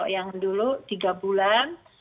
yang dulu tiga bulan